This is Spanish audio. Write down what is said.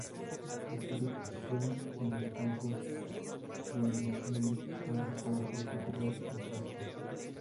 Su producción en los campos de la medicina y la antropología cultural es vasta.